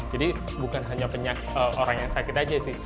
jadi bukan hanya orang yang sakit saja sih